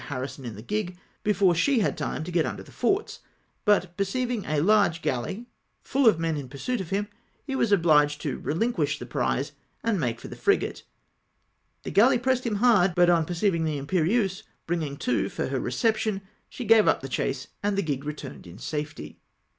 Harrison hi the gig, before she had time to get under the forts, but perceiving a large galley full of E 4 248 CAPTURE A XEBEC. men in pursuit of liim, lie was obliged to relinquish the prize, and make for the frigate ; the galley pressed him hard, but on perceiving the Imperieuse bringing to for her reception, she gave up the chase, and the gig returned in safety.